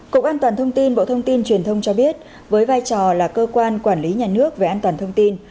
cục an toàn thông tin bộ thông tin truyền thông cho biết với vai trò là cơ quan quản lý nhà nước về an toàn thông tin